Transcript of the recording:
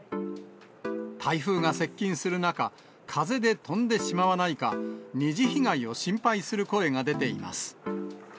台風が接近する中、風で飛んでしまわないか、二次被害を心配する声が出ています。